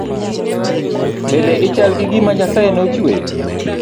Bende i chal gi gima nyasaye no chweyo